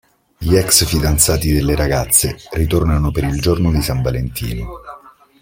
Gli ex fidanzati delle ragazze ritornano per il giorno di San Valentino.